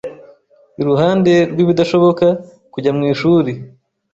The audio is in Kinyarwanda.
Iruhande rwibidashoboka kujya mwishuri.